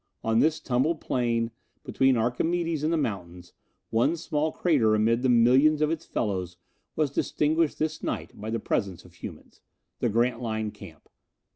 On this tumbled plain, between Archimedes and the mountains, one small crater amid the million of its fellows was distinguished this night by the presence of humans. The Grantline camp!